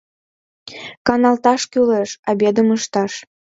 — Каналташ кӱлеш, обедым ышташ.